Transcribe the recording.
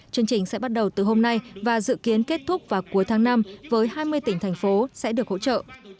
chương trình sẽ bắt đầu từ hôm nay và dự kiến kết thúc vào cuối tháng năm với hai mươi tỉnh thành phố sẽ được hỗ trợ